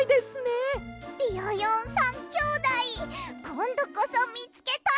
ビヨヨン３きょうだいこんどこそみつけたい！